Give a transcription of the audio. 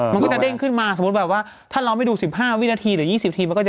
มันก็จะเด้งขึ้นมาสมมุติแบบว่าถ้าเราไม่ดู๑๕วินาทีหรือ๒๐ทีมันก็จะ